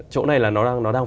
chỗ này là nó đang